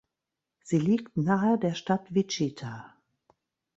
Sie liegt Nahe der Stadt Wichita.